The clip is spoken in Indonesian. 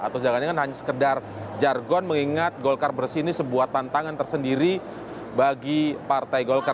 atau jangan jangan hanya sekedar jargon mengingat golkar bersih ini sebuah tantangan tersendiri bagi partai golkar